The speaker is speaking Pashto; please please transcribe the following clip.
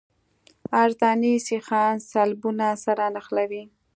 عرضاني سیخان سلبونه سره نښلوي